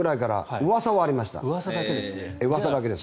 うわさだけですね。